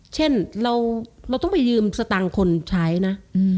เช่นเราต้องไปยืมสตางค์คนใช้นะ